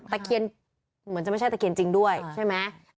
ตะเคียนเหมือนจะไม่ใช่ตะเคียนจริงด้วยใช่ไหม